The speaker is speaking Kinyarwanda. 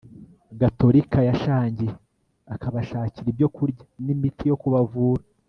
gatolika ya shangi, akabashakira ibyo kurya n'imiti yo kubavura